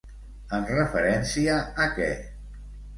En referència a què?